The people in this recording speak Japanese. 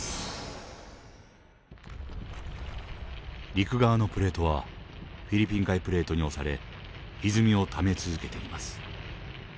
陸側のプレートはフィリピン海プレートに押されひずみをため続けています。